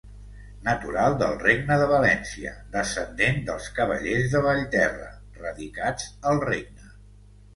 Natural del Regne de València, descendent dels cavallers de Vallterra, radicats al regne.